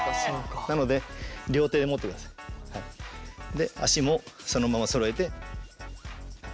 で足もそのままそろえて。